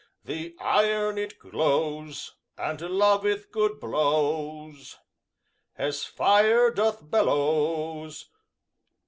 The iron glows, And loveth good blows As fire doth bellows.